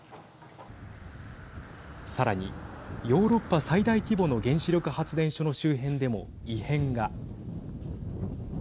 さらにヨーロッパ最大規模の原子力発電所の周辺でも異変が。